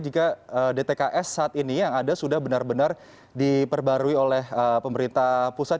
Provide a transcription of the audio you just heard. jika dtks saat ini yang ada sudah benar benar diperbarui oleh pemerintah pusat